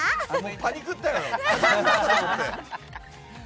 パニクったよ。